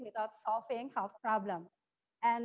tanpa menyelesaikan masalah kesehatan